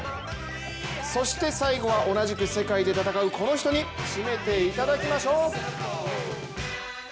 そして最後は、同じく世界で戦うこの人に締めていただきましょう。